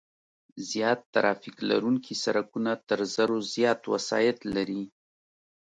زیات ترافیک لرونکي سرکونه تر زرو زیات وسایط لري